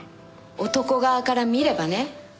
男側から見ればね。